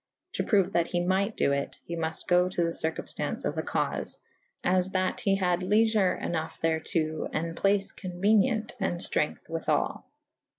To proue that he might do it ; ye muft go to the circumftance of the caufe / as that he had lyefer^ ynough thereto and place con uenient and ftrength withall.